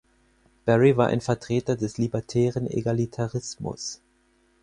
Barry war ein Vertreter des libertären Egalitarismus.